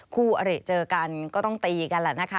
คู่อริเจอกันก็ต้องตีกันแหละนะคะ